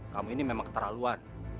kamu ini memang keterlaluan